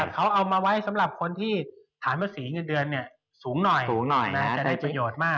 เขาเอามาไว้สำหรับคนที่ฐานภาษีเงินเดือนสูงหน่อยสูงหน่อยจะได้ประโยชน์มาก